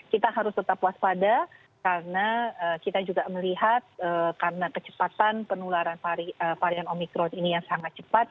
kita harus tetap waspada karena kita juga melihat karena kecepatan penularan varian omikron ini yang sangat cepat